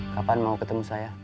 kapan mau ketemu saya